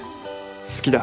「好きだ」